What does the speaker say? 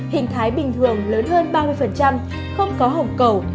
hình thái bình thường lớn hơn ba mươi không có hồng cầu